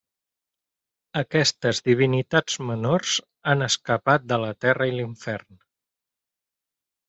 Aquestes divinitats menors han escapat de la terra i l'infern.